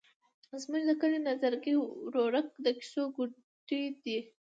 زموږ د کلي نظرګي ورورک د کیسو ګوډی دی.